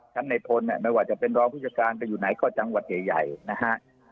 ชั้นในพลเนี่ยไม่ว่าจะเป็นรองผู้จัดการไปอยู่ไหนก็จังหวัดใหญ่นะฮะ